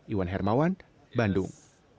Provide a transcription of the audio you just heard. iwan hermawan bandung